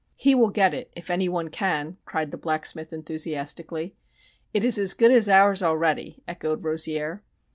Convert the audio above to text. "He will get it, if any one can!" cried the blacksmith enthusiastically. "It is as good as ours already!" echoed Rozier.